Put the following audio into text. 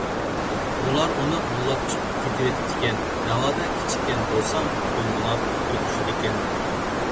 ئۇلار ئۇنى قوغلاپ كېتىۋېتىپتىكەن. ناۋادا كېچىككەن بولسام بۇ مۇناپىق تۈگىشىدىكەن.